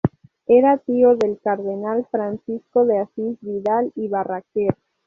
Era tío del cardenal Francisco de Asís Vidal y Barraquer.